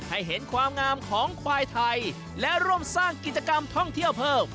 ให้เห็นความงามของควายไทยและร่วมสร้างกิจกรรมท่องเที่ยวเพิ่ม